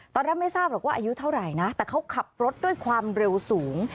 ตอนแรกไม่ทราบหรอกว่าอายุเท่าไหร่นะแต่เขาขับรถด้วยความเร็วสูง